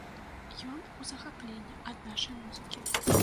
Ён у захапленні ад нашай музыкі.